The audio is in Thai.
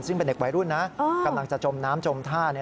ซึ่งเป็นเด็กวัยรุ่นนะกำลังจะจมน้ำจมท่า